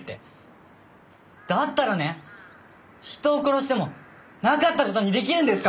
だったらね人を殺してもなかった事に出来るんですか？